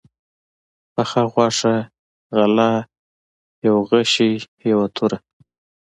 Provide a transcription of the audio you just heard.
پخه غوښه، غله، يو غشى، يوه توره